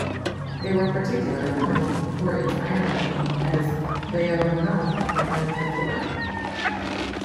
They were particularly known for its iron-working, as Byeonhan had been before it.